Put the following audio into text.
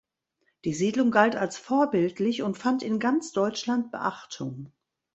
Die Siedlung galt als vorbildlich und fand in ganz Deutschland Beachtung.